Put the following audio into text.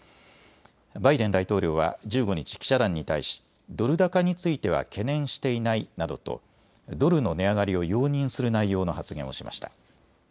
バイデン大統領は１５日、記者団に対し、ドル高については懸念していないなどとドルの値上がりを容認する内容の発言をしました。